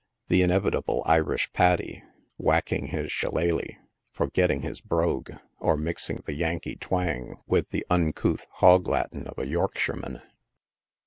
The inevitable Irish Paddy, whacking his shillaleh, forgetting his brogue, or mixing the Yankee twang with the uncouth hog latin of a Yorkshireman.